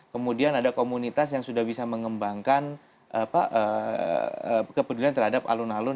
kemudian ada komunitas yang sudah bisa mengembangkan kepedulian terhadap alun alun